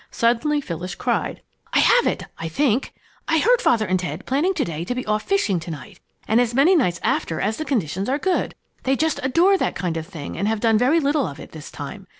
Suddenly Phyllis cried, "I have it I think! I heard Father and Ted planning to day to be off fishing to night, and as many nights after as the conditions are good. They just adore that kind of thing and have done very little of it this time.